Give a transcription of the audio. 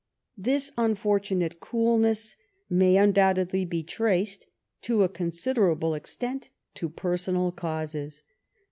This unfortunate coolness may undoubtedly be traced, to a considerable extent, to personal causes.